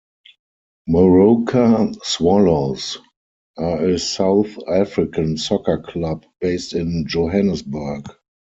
Moroka Swallows are a South African soccer club based in Johannesburg.